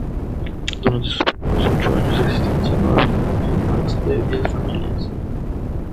Durante sus primeros ocho años de existencia no había allí más de diez familias.